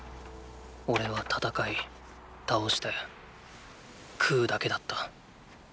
おれは戦い倒して喰うだけだった。